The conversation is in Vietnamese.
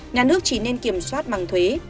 nhà nước chỉ nên kiểm soát bằng thuế